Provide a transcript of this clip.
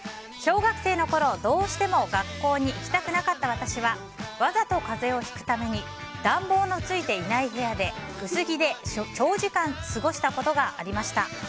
小学生のころ、どうしても学校に行きたくなかった私はわざと風邪をひくために暖房のついていない部屋で薄着で長時間過ごしたことがありました。